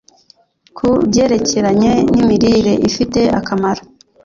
ku byerekeranye nimirire ifite akamaro